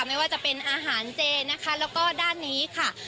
ไม่ว่าจะเป็นอาหารเจนะคะแล้วก็ด้านนี้ค่ะ